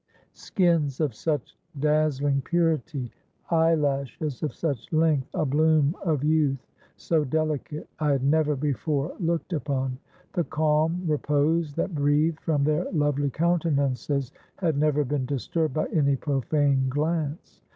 "Skins of such dazzling purity, eyelashes of such length, a bloom of youth so delicate, I had never before looked upon. The calm repose that breathed from their lovely countenances had never been disturbed by any profane glance.